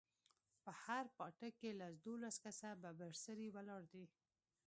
په هر پاټک کښې لس دولس کسه ببر سري ولاړ دي.